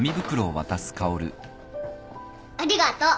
ありがとう。